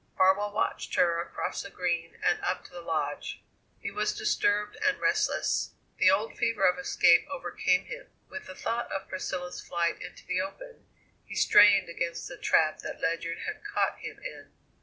Farwell watched her across the Green and up to the Lodge. He was disturbed and restless. The old fever of escape overcame him. With the thought of Priscilla's flight into the open, he strained against the trap that Ledyard had caught him in.